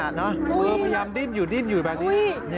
พยายามดิ้นอยู่ดิ้นอยู่แบบนี้